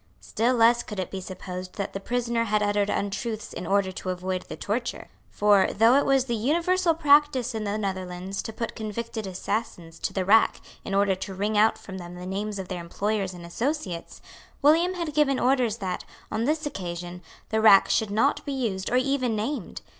Still less could it be supposed that the prisoner had uttered untruths in order to avoid the torture. For, though it was the universal practice in the Netherlands to put convicted assassins to the rack in order to wring out from them the names of their employers and associates, William had given orders that, on this occasion, the rack should not be used or even named.